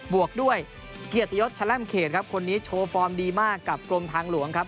วกด้วยเกียรติยศแล่มเขตครับคนนี้โชว์ฟอร์มดีมากกับกรมทางหลวงครับ